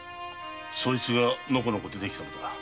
そいつがノコノコ出てきたのだ。